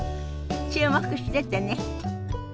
注目しててね。